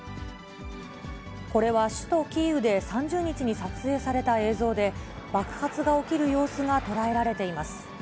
これは首都キーウで３０日に撮影された映像で、爆発が起きる様子が捉えられています。